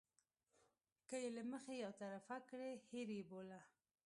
که یې له مخې یو طرفه کړي هېر یې بوله.